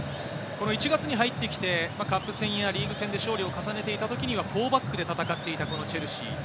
１月に入ってきて、カップ戦やリーグ戦で勝利を重ねていた時には４バックで戦っていたチェルシー。